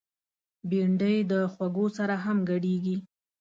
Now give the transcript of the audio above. بېنډۍ د خوږو سره هم ګډیږي